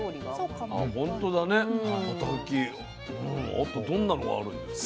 あとどんなのがあるんですか？